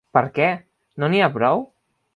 Per què! - no n'hi ha prou?